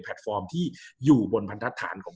กับการสตรีมเมอร์หรือการทำอะไรอย่างเงี้ย